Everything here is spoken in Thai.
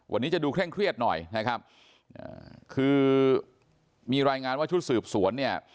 วันนี้จะดูเคร่งเครียดหน่อยนะครับอ่าคือมีรายงานว่าชุดสืบสวนเนี่ย